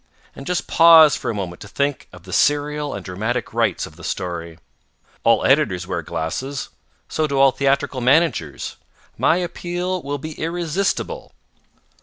And just pause for a moment to think of the serial and dramatic rights of the story. All editors wear glasses, so do all theatrical managers. My appeal will be irresistible.